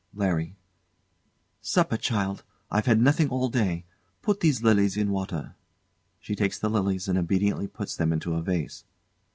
LARRY. Supper, child I've had nothing all day. Put these lilies in water. [She takes the lilies and obediently puts them into a vase.